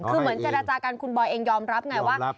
คือเหมือนเจรจากันคุณบอยเองยอมรับไงว่า